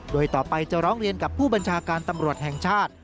โดยต่อไปจะร้องเรียนกับผู้บัญชาการตำรวจแห่งชาติ